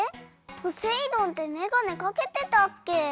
ポセイ丼ってめがねかけてたっけ？